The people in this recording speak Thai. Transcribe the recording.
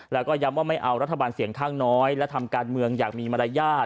แล้วก็ย้ำว่าไม่เอารัฐบาลเสียงข้างน้อยและทำการเมืองอย่างมีมารยาท